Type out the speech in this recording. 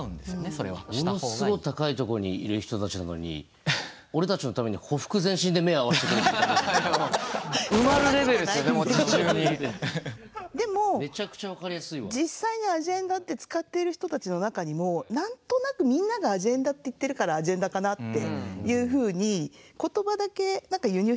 それは。ものっすごい高いとこにいる人たちなのに俺たちのためにでも実際にアジェンダって使っている人たちの中にも何となくみんながアジェンダって言っているからアジェンダかなっていうふうにへえ。